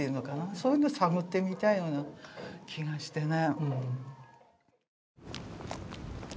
そういうの探ってみたいような気がしてね。